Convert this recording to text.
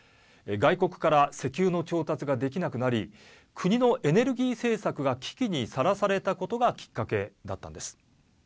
外国から石油の調達ができなくなり国のエネルギー政策が危機にさらされたことがきっかけだったんです。